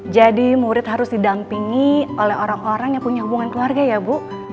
jadi murid harus didampingi oleh orang orang yang punya hubungan keluarga ya bu